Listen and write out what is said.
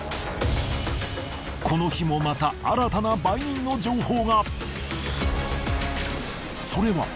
この日もまた新たな売人の情報が。